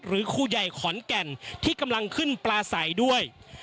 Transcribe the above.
ครูใหญ่ขอนแก่นที่กำลังขึ้นปลาใสด้วย